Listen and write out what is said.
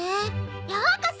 ようこそ。